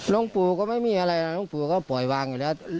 ปู่ก็ไม่มีอะไรนะหลวงปู่ก็ปล่อยวางอยู่แล้ว